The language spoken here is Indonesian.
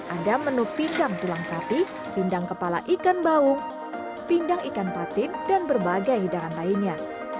ada menu pindang tulang sapi pindang kepala ikan baung pindang ikan patin dan berbagai hidangan lainnya